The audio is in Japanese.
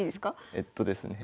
えっとですね。